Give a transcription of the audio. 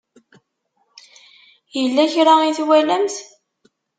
Yella kra i twalamt?